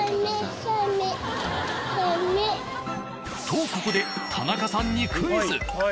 とここで田中さんにクイズ。